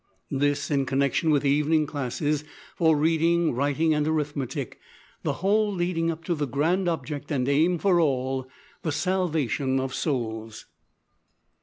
This, in connection with evening classes for reading, writing, and arithmetic the whole leading up to the grand object and aim of all the salvation of souls.